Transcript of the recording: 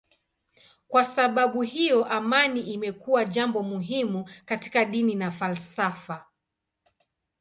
Kwa sababu hiyo amani imekuwa jambo muhimu katika dini na falsafa.